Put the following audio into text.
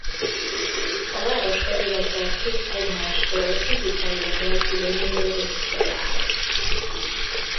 A város területe két egymástól fizikailag elkülönülő részből áll.